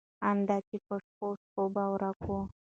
ان دا چې په شپو شپو به ورک و.